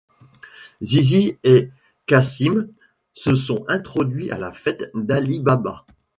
Zizi et Cassim se sont introduits à la fête d’Ali Baba.